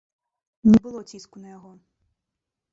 Не было ціску на яго.